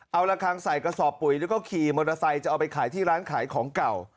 เอาละคังใส่กระสอบปุ๋ยแล้วก็ขี่มอเตอร์ไซค์จะเอาไปขายที่ร้านขายของเก่า